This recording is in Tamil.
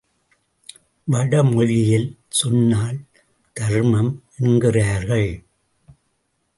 வடமொழியில் சொன்னால், தர்மம் என்கிறார்கள்.